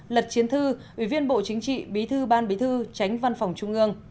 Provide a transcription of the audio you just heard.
lật chiến thư ủy viên bộ chính trị bí thư ban bí thư tránh văn phòng trung ương